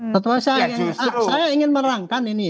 tentu saja saya ingin merangkan ini ya